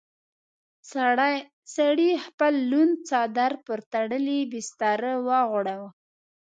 سړي خپل لوند څادر پر تړلې بستره وغوړاوه.